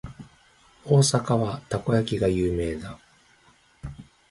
大阪はたこ焼きが有名だ。